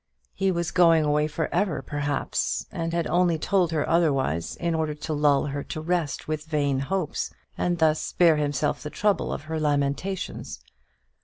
He was going away for ever, perhaps; and had only told her otherwise in order to lull her to rest with vain hopes, and thus spare himself the trouble of her lamentations.